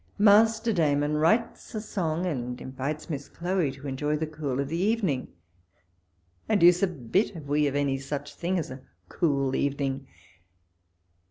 Master Damon writes a song, and invites Miss Chloe to enjoy the cool of the evening, and the deuce a bit have we of any such thing as a cool evening.